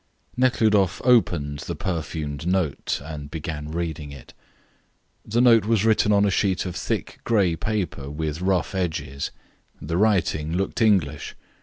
Nekhludoff opened the perfumed note, and began reading it. The note was written on a sheet of thick grey paper, with rough edges; the writing looked English.